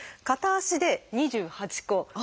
片足で２８個。